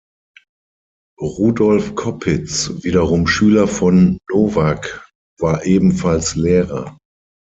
Rudolf Koppitz, wiederum Schüler von Novák, war ebenfalls Lehrer.